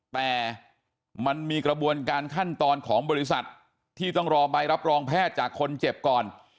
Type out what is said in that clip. แต่มันมีกระบวนการขั้นตอนของบริษัทที่ต้องรอใบรับรองแพทย์จากคนเจ็บก่อน